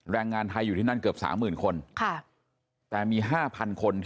แรงงานไทยอยู่ที่นั่นเกือบ๓๐๐๐คนแต่มี๕๐๐คน